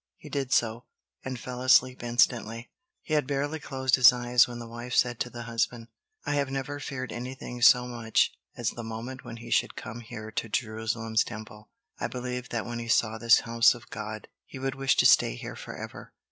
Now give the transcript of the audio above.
He did so, and fell asleep instantly. He had barely closed his eyes when the wife said to the husband: "I have never feared anything so much as the moment when he should come here to Jerusalem's Temple. I believed that when he saw this house of God, he would wish to stay here forever."